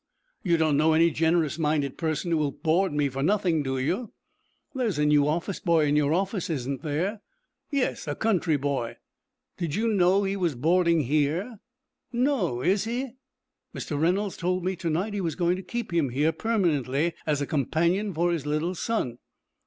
You don't know any generous minded person who will board me for nothing, do you?" "There's a new office boy in your office, isn't there?" "Yes, a country boy." "Did you know he was boarding here?" "No; is he?" "Mr. Reynolds told me to night he was going to keep him here permanently, as a companion for his little son."